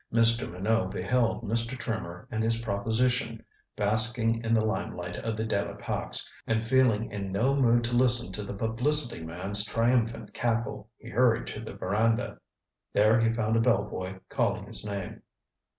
Mr. Minot beheld Mr. Trimmer and his "proposition" basking in the lime light of the De la Pax, and feeling in no mood to listen to the publicity man's triumphant cackle, he hurried to the veranda. There he found a bell boy calling his name.